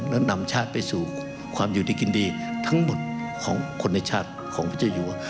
และนำชาติไปสู่ความอยู่ดีกินดีทั้งหมดของคนในชาติของพระเจ้าอยู่